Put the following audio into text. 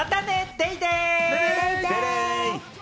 デイデイ！